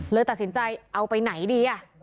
เลยตัดสินใจเอาไปไหนดี